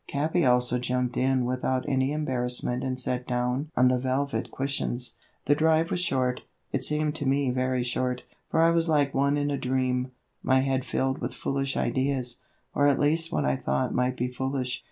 Capi also jumped in without any embarrassment and sat down on the velvet cushions. The drive was short, it seemed to me very short, for I was like one in a dream, my head filled with foolish ideas, or at least what I thought might be foolish.